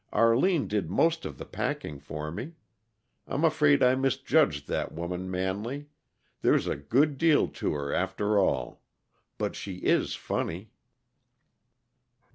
Arline did most of the packing for me. I'm afraid I misjudged that woman, Manley; there's a good deal to her, after all. But she is funny."